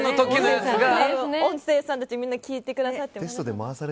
音声さんたちもみんな聞いてくださってて。